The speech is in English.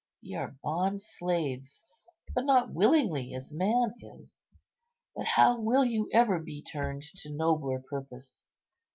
Ye are bond slaves, but not willingly, as man is; but how will you ever be turned to nobler purpose?